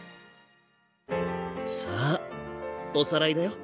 さあおさらいだよ。